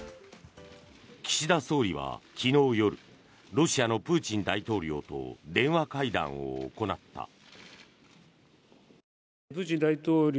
岸田総理は昨日夜ロシアのプーチン大統領と電話会談を行った。